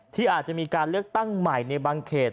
ที่อาจจะมีการเลือกตั้งใหม่ในบางเขต